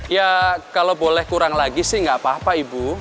ya kalau boleh kurang lagi sih nggak apa apa ibu